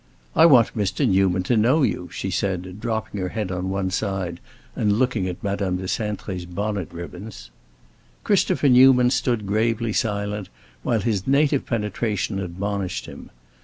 "I want Mr. Newman to know you," she said, dropping her head on one side and looking at Madame de Cintré's bonnet ribbons. Christopher Newman stood gravely silent, while his native penetration admonished him.